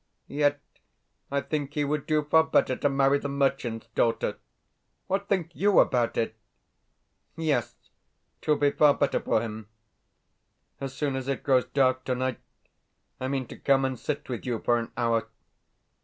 Yet I think he would do far better to marry the merchant's daughter. What think YOU about it? Yes, 'twould be far better for him. As soon as it grows dark tonight I mean to come and sit with you for an hour.